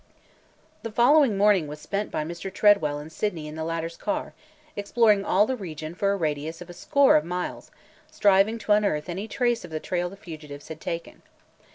The following morning was spent by Mr. Tredwell and Sydney in the latter's car, exploring all the region for a radius of a score of miles, striving to unearth any trace of the trail the fugitives had taken.